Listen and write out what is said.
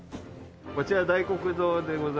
こちら大黒堂でございまして。